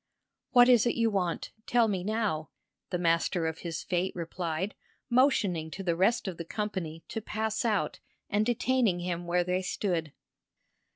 "What is it you want? Tell me now," the master of his fate replied, motioning to the rest of the company to pass out and detaining him where they stood.